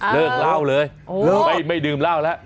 เลิกเล่าเลยไม่ดื่มเหล้าแล้ว